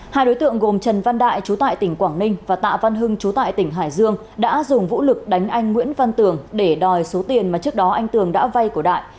hai đối tượng gồm trần văn đại chú tại tỉnh quảng ninh và tạ văn hưng chú tại tỉnh hải dương đã dùng vũ lực đánh anh nguyễn văn tường để đòi số tiền mà trước đó anh tường đã vay của đại